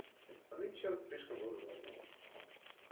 А нынче он слишком был взволнован.